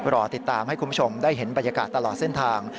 รอติดตามให้คุณผู้ชมได้เห็นบรรยากาศตลอดเส้นทาง